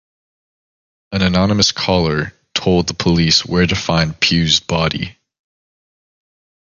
An anonymous caller told the police where to find Pue's body.